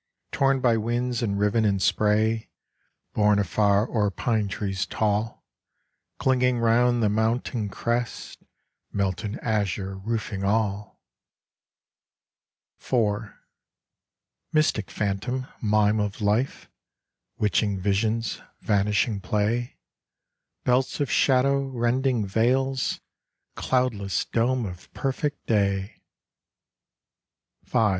Torn by winds and riven in spray, Borne afar o'er pine trees tall, Clinging round the mountain crests, Melt in azure roofing all! IV. Mystic phantom, mime of life: Witching visions, vanishing play, Belts of shadow, rending veils, Cloudless dome of perfect day! V.